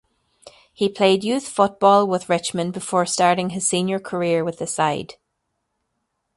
He played youth football with Richmond before starting his senior career with the side.